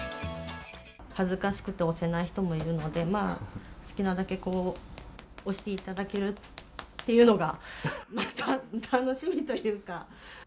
恥ずかしくて押せない人もいるので、まあ好きなだけ、功押していただけるっていうのが、楽しみというか。